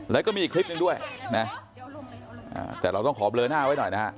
แล้วก็มีอีกคลิปหนึ่งด้วยนะแต่เราต้องขอเบลอหน้าไว้หน่อยนะฮะ